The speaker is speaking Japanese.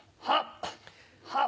はっ！